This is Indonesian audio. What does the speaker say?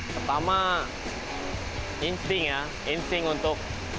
pertama insting ya insting untuk